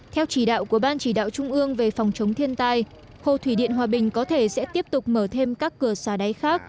theo chỉ đạo của ban chỉ đạo trung ương về phòng chống thiên tai hồ thủy điện hòa bình có thể sẽ tiếp tục mở thêm các cửa xà đáy khác